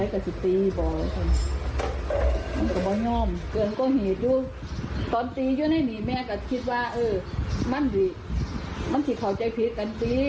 ครับเลยตอนนี้ว่าสามารถไม่มีแไร